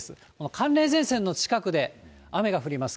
寒冷前線の近くで雨が降ります。